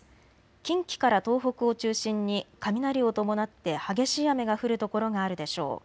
近畿から東北を中心に雷を伴って激しい雨が降る所があるでしょう。